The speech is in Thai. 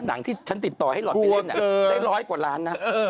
ที่ฉันติดต่อให้หลอดไปเล่นได้ร้อยกว่าล้านนะ